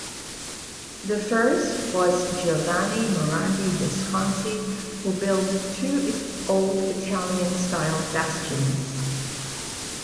The first was Giovanni Morandi Visconti, who built two old Italian-style bastions.